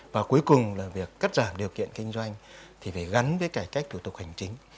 và cuối cùng là việc cắt giảm điều kiện kinh doanh thì phải gắn với cải cách thủ tục hành chính